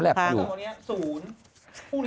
ถ้าเกิดวันนี้๐